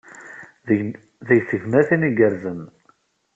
Deg tegnatin igerrzen.